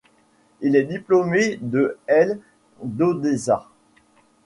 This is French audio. Elle est diplômée de l' d'Odessa.